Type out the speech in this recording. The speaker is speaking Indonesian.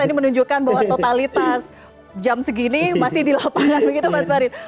ini menunjukkan bahwa totalitas jam segini masih di lapangan begitu mas farid